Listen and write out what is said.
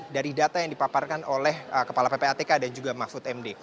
dari data yang dipaparkan oleh kepala ppatk dan juga mahfud md